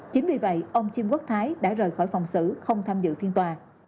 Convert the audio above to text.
chính vì vậy ông chiêm quốc thái đã rời khỏi phòng xử không tham dự phiên tòa